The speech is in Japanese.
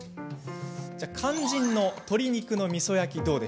肝心の、鶏肉のみそ焼きは？